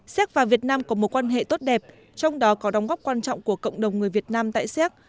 séc và việt nam có mối quan hệ tốt đẹp trong đó có đóng góp quan trọng của cộng đồng người việt nam tại séc